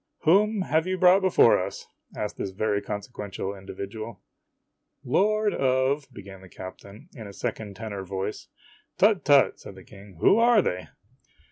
"Whom have you brought before us?' asked this very conse quential individual. " Lord of ' began the captain in a second tenor voice. " Tut, tut !" said the King. " Who are they